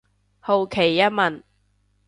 好奇一問